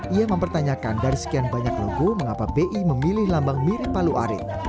ia mempertanyakan dari sekian banyak logo mengapa bi memilih lambang mirip palu arit